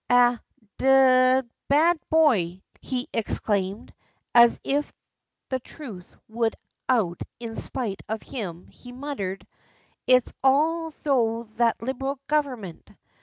"A d d bad boy!" he exclaimed, and as if the truth would out in spite of him he muttered: "It's all thro' that Liberal Government."